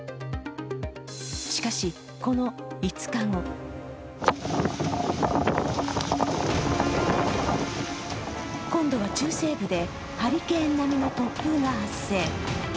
しかし、この５日後今度は中西部でハリケーン並みの突風が発生。